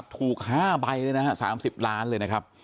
ถูก๕ใบเลยนะฮะ๓๐ล้านเลยนะครับ